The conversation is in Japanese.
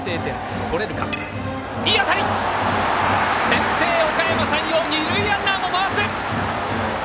先制、おかやま山陽二塁ランナーも回す！